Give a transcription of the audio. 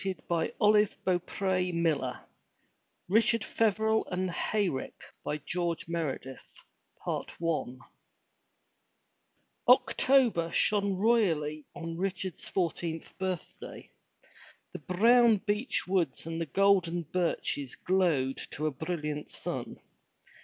*' 227 M Y BOOK HOUSE RICHARD FEVEREL AND THE HAY RICK* George Meredith OCTOBER shone royally on Richard's fourteenth birthday. The brown beech woods and golden birches glowed to a brilliant sun.